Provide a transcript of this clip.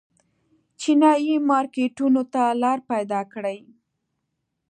چینايي مارکېټونو ته لار پیدا کړي.